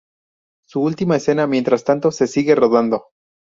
Su última escena, mientras tanto, se sigue rodando.